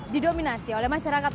didominasi oleh masyarakat